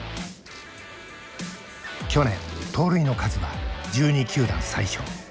去年盗塁の数は１２球団最少。